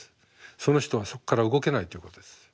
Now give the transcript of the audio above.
その人はそっから動けないということです。